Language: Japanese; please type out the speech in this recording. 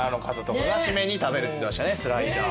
スライダー。